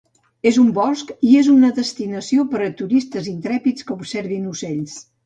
És un bosc, i és una destinació per a turistes intrèpids que observin ocells.